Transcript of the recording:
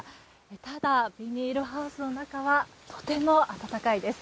ただ、ビニールハウスの中はとても暖かいです。